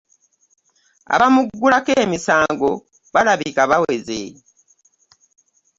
Abamuggulako emisango balabika baweze.